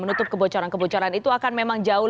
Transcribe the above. menutup kebocoran kebocoran itu akan memang jauh